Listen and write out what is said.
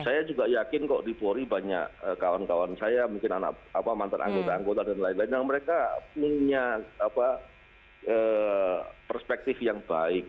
saya juga yakin kok di polri banyak kawan kawan saya mungkin anak mantan anggota anggota dan lain lain yang mereka punya perspektif yang baik